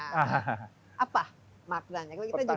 kalau kita juga biasanya lebaran